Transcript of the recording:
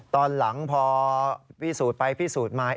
ตอนหลังพอพี่สูตรไปพี่สูตรมา